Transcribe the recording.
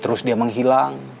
terus dia menghilang